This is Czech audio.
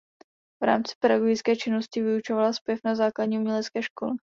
V rámci pedagogické činnosti vyučovala zpěv na základní umělecké škole.